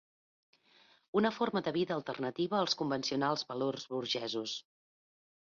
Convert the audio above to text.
Una forma de vida alternativa als convencionals valors burgesos.